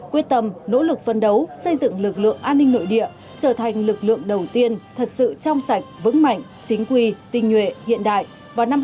quyết tâm nỗ lực phân đấu xây dựng lực lượng an ninh nội địa trở thành lực lượng đầu tiên thật sự trong sạch vững mạnh chính quy tinh nhuệ hiện đại vào năm hai nghìn ba mươi